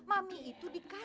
mami itu dikasih